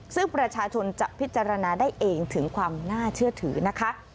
ซึ่งประชาชนจะพิจารณาได้เองถึงความน่าเชื่อถือนะคะ